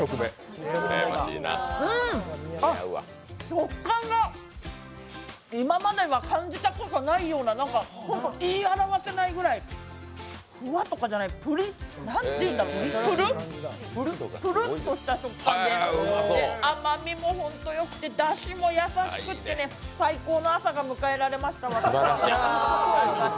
食感が今までは感じたことがないような本当、言い表せないぐらい、うまっとかじゃないぷるぷるっとした食感で、甘みもホントよくて、だしも優しくってね、最高の朝が迎えられました。